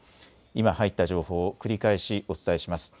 今入った情報を繰り返しお伝えします。